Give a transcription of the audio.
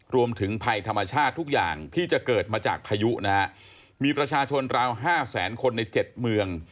รวมถึงภัยธรรมชาติทุกอย่างที่จะเกิดมาจากพายุนะฮะมีประชาชนราว๕แสนคนในเจ็ดเมือง